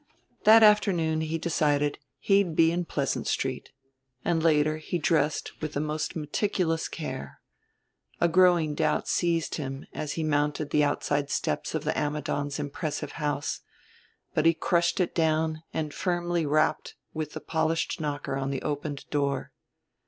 That afternoon, he decided, he'd be in Pleasant Street; and later he dressed with the most meticulous care. A growing doubt seized him as he mounted the outside steps of the Ammidons' impressive house; but he crushed it down and firmly rapped with the polished knocker on the opened door.